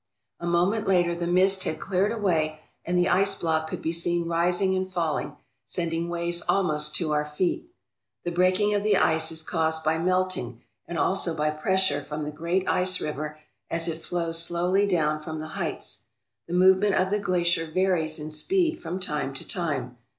A moment later the mist had cleared away, and the ice block could be seen rising and falling, sending waves almost to our feet. The breaking of the ice is caused by melting and also by pressure from the great ice river as it flows slowly down from the heights. The movement of the glacier varies in speed from time to time.